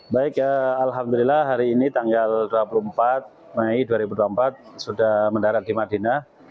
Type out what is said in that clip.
baik alhamdulillah hari ini tanggal dua puluh empat mei dua ribu dua puluh empat sudah mendarat di madinah